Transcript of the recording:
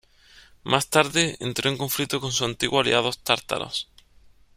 Más tarde, entró en conflicto con sus antiguos aliados tártaros.